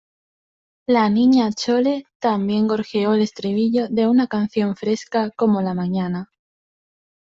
la Niña Chole también gorjeó el estribillo de una canción fresca como la mañana.